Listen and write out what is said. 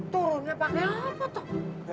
turunnya pake apa tuh